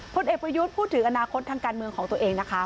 พลเอกประยุทธ์พูดถึงอนาคตทางการเมืองของตัวเองนะคะ